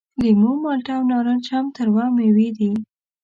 لیمو، مالټه او نارنج هم تروه میوې دي.